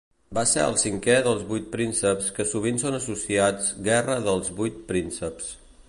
Va ser el cinquè dels vuit prínceps que sovint són associats Guerra dels Vuit Prínceps.